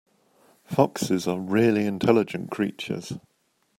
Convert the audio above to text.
Foxes are really intelligent creatures.